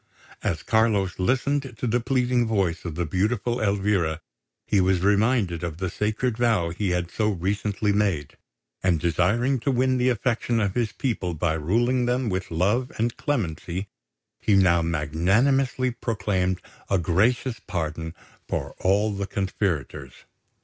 As Carlos listened to the pleading voice of the beautiful Elvira, he was reminded of the sacred vow he had so recently made; and, desiring to win the affection of his people by ruling them with love and clemency, he now magnanimously proclaimed a gracious pardon for all the conspirators.